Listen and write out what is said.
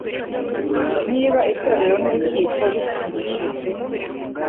Niba itorero n'urukiko bisubije pe